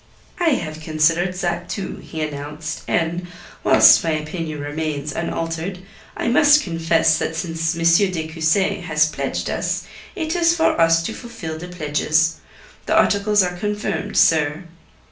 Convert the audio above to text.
"I have considered that, too," he announced. "And whilst my opinion remains unaltered, I must confess that since M. de Cussy has pledged us, it is for us to fulfil the pledges. The articles are confirmed, sir."